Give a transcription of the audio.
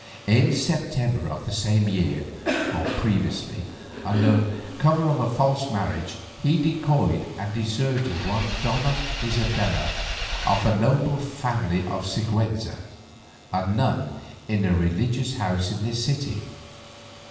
In September of the same year, or previously, under cover of a false marriage, he decoyed and deserted one Donna Isabella of the noble family of Siguenza, a nun in a religious house in this city."